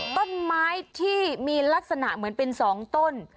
ต้นไม้ที่มีลักษณะเหมือนเป็น๒ต้น